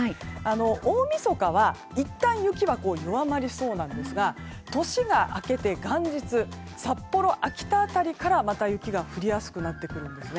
大みそかはいったん雪は弱まりそうなんですが年が明けて元日札幌、秋田辺りからまた雪が降りやすくなってくるんですね。